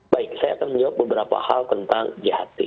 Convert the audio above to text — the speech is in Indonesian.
baik saya akan menjawab beberapa hal tentang jht